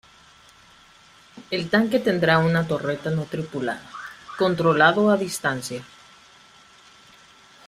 El tanque tendrá una torreta no tripulada, controlado a distancia.